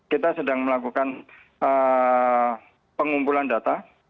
kita sedang melakukan pengumpulan data